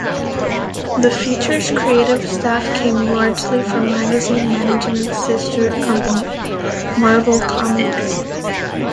The feature's creative staff came largely from Magazine Management's sister company, Marvel Comics.